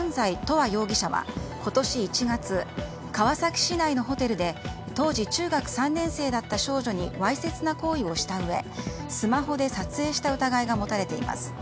空容疑者は今年１月川崎市内のホテルで当時中学３年生だった少女にわいせつな行為をしたうえスマホで撮影した疑いが持たれています。